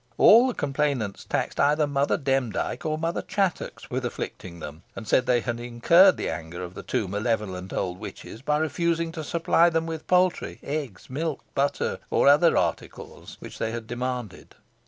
All the complainants taxed either Mother Demdike or Mother Chattox with afflicting them, and said they had incurred the anger of the two malevolent old witches by refusing to supply them with poultry, eggs, milk, butter, or other articles, which they had demanded.